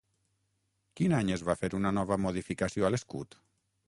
Quin any es va fer una nova modificació a l'escut?